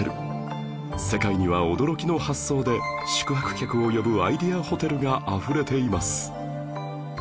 世界には驚きの発想で宿泊客を呼ぶアイデアホテルがあふれています